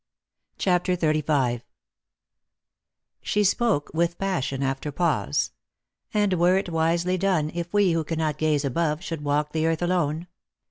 CHAPTER XXXV " She spoke with passion after pause— And were it wisely done If we who cannot gaze above, should walk: the earth alone